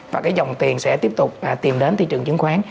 và cái dòng tiền sẽ tiếp tục tìm đến thị trường chứng khoán